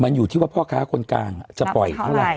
มันอยู่ที่ว่าพ่อค้าคนกลางจะปล่อยเท่าไหร่